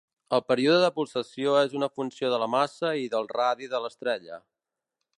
El període de pulsació és una funció de la massa i del radi de l'estrella.